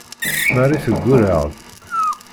Marie teggurreɛ-d.